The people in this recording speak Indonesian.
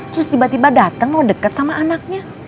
terus tiba tiba datang mau deket sama anaknya